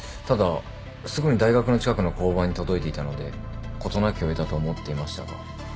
ただすぐに大学の近くの交番に届いていたので事なきを得たと思っていましたが。